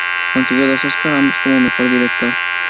Consiguió dos Óscar, ambos como mejor director.